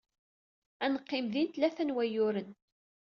Ad neqqim din tlata n wayyuren.